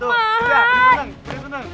tuh ya berituh tentang